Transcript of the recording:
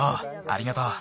ありがとう。